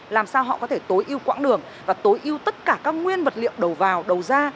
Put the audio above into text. làm sao họ có thể tối ưu quãng đường và tối ưu tất cả các nguyên vật liệu đầu vào đầu ra